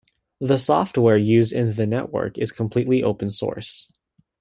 The software used in the network is completely open source.